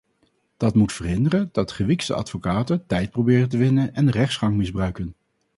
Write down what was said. Dat moet verhinderen dat gewiekste advocaten tijd proberen te winnen en de rechtsgang misbruiken.